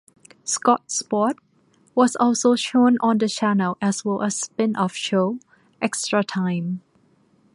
"Scotsport" was also shown on the channel as well as spin-off show "Extra Time".